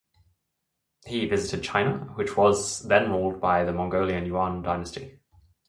He visited China, which was then ruled by the Mongolian Yuan Dynasty.